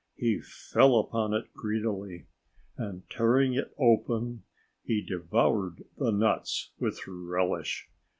He fell upon it greedily. And, tearing it open, he devoured the nuts with relish.